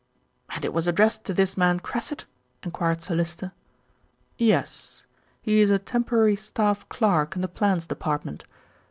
"And it was addressed to this man Cressit?" enquired Sir Lyster. "Yes. He is a temporary staff clerk in the Plans Department.